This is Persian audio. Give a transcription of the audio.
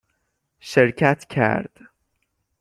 شرکت کرد